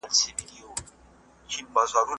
لويس ورت په دې اړه ليکنې کړي دي.